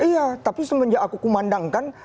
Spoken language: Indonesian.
iya tapi semenjak aku kumandangkan